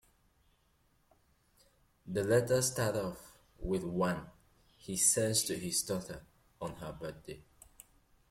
The letters start off with one he sends to his daughter on her birthday.